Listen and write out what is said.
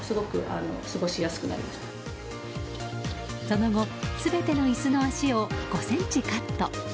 その後、全ての椅子の脚を５ｃｍカット。